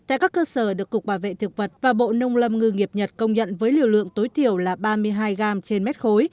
tại các cơ sở được cục bảo vệ thực vật và bộ nông lâm ngư nghiệp nhật công nhận với liều lượng tối thiểu là ba mươi hai gram trên mét khối